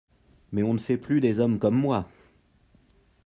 Mais on ne fait plus des hommes comme moi.